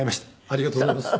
ありがとうございます。